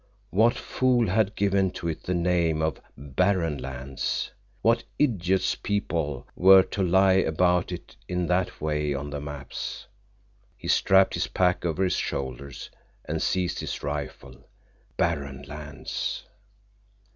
What fool had given to it the name of Barren Lands? What idiots people were to lie about it in that way on the maps! He strapped his pack over his shoulders and seized his rifle. Barren Lands!